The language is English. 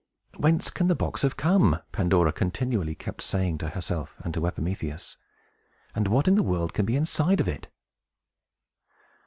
"Whence can the box have come?" Pandora continually kept saying to herself and to Epimetheus. "And what in the world can be inside of it?"